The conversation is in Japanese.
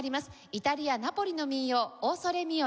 イタリアナポリの民謡『オー・ソレ・ミオ』です。